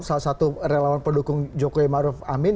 salah satu relawan pendukung jokowi maruf amin